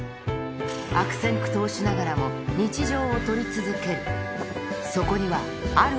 悪戦苦闘しながらも、日常を撮り続ける。